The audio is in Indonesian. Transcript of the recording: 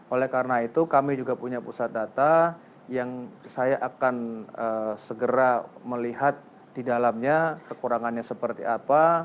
oleh karena itu kami juga punya pusat data yang saya akan segera melihat di dalamnya kekurangannya seperti apa